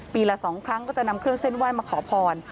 ละ๒ครั้งก็จะนำเครื่องเส้นไหว้มาขอพร